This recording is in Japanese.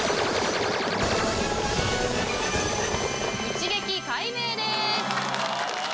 一撃解明です。